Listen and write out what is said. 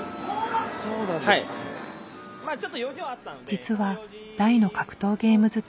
実は大の格闘ゲーム好き。